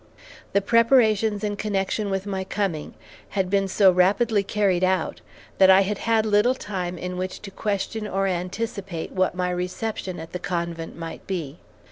The preparations in connection with my coming had been so rapidly carried out that I had had little time in which to question or anticipate what my reception at the convent might be.